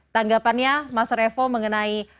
tanggapannya mas revo mengenai